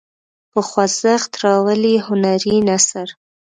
په خوځښت راولي هنري نثر.